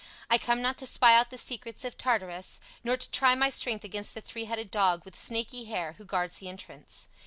I come not to spy out the secrets of Tartarus, nor to try my strength against the three headed dog with snaky hair who guards the entrance.